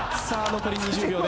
残り２０秒です。